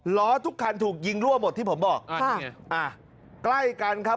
ล้อทุกคันถูกยิงรั่วหมดที่ผมบอกอ่านี่ไงอ่ะใกล้กันครับ